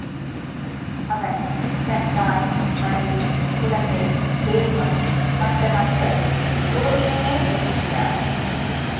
அவன் தன் தாய், மனைவி, குழந்தை, தேசம், மற்ற மக்கள் எல்லோரையுமே நேசிக்கிறான்.